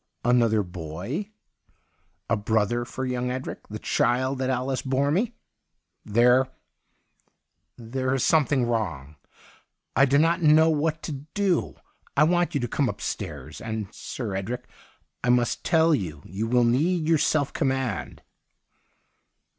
' Another boy — a brother for young Edric, the child that Alice bore me ?'' There — there is something wrong. I do not know what to do. I want you to come upstairs. And, Sir Edric, I must tell you, you will need your self command.'